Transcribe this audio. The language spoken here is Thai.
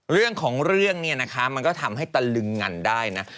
เรื่องของเรื่องเนี่ยนะคะมันก็ทำให้ตะลึงงันได้นะ